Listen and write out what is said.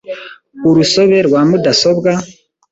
urusobe rwa mudasobwa,